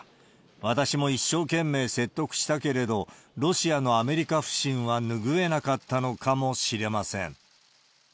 私も一生懸命説得したけれど、ロシアのアメリカ不信は拭えなかったのかもしれません。